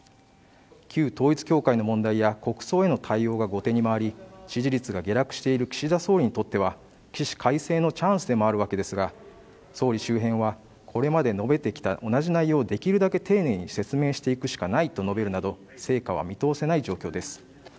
旧統一教会の問題や国葬への対応が後手に回り支持率が下落している岸田総理にとっては起死回生のチャンスでもあるわけですが総理周辺はこれまで述べてきた同じ内容をできるだけ丁寧に説明していくしかないと述べるなど成果は見通せない状況です